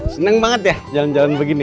senang banget ya jalan jalan begini